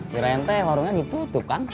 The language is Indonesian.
kirain teh warungnya ditutup kang